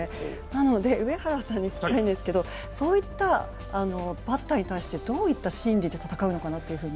なので、上原さんに聞きたいんですけど、そういったバッターに対してどういった心理で戦うのかなと？